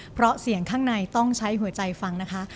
เพราะเสียงข้างในต้องใช้หัวใจฟังนะคะ